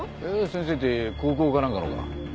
先生って高校か何かのか？